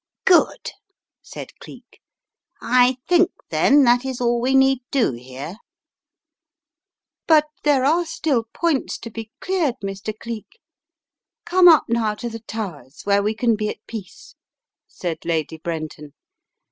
"Good," said Cleek, "I think, then, that is all we aeeddohere." "But there are still points to be cleared, Mr. Cleek. Come up now to the Towers, where we can be at peace," said Lady Brenton.